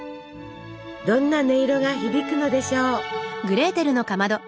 どんな音色が響くのでしょう。